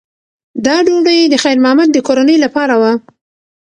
دا ډوډۍ د خیر محمد د کورنۍ لپاره وه.